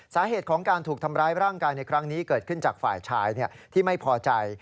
สาเหตุของการถูกทำร้ายร่างกายในครั้งนี้เกิดขึ้นจากฝ่ายชายที่ไม่พอใจ